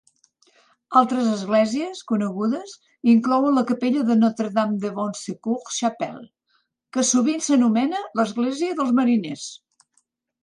Altres esglésies conegudes inclouen la capella de Notre-Dame-de-Bon-Secours Chapel, que sovint s'anomena l'església dels mariners.